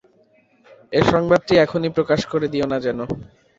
এ সংবাদটি এখনই প্রকাশ করে দিও না যেন।